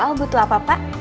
pak alde butuh apa apa